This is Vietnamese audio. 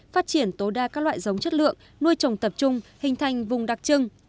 phát triển tố đa các loại dòng chất lượng nuôi trồng tập trung hình thành vùng đặc trưng